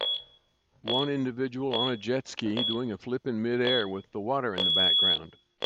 One individual on a jet ski doing a flip in midair with the water in the background.